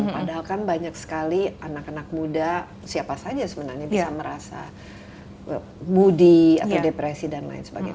padahal kan banyak sekali anak anak muda siapa saja sebenarnya bisa merasa moody atau depresi dan lain sebagainya